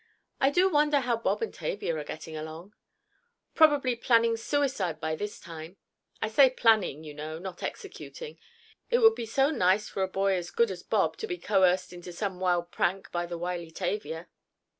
"I do wonder how Bob and Tavia are getting along?" "Probably planning suicide by this time—I say planning, you know, not executing. It would be so nice for a boy as good as Bob to be coerced into some wild prank by the wily Tavia."